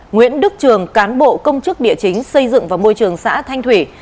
nguyễn đức trường cán bộ công chức địa chính xây dựng và môi trường xã thanh thủy